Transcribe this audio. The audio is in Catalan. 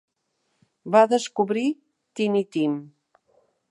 Va "descobrir" Tiny Tim.